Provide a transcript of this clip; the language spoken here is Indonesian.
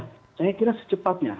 ya saya kira secepatnya